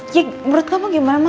ya ya menurut kamu gimana mah